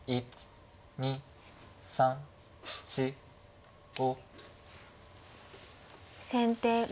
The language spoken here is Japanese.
１２３４５。